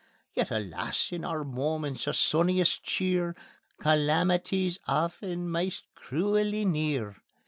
Yet alas! in oor moments o' sunniest cheer Calamity's aften maist cruelly near.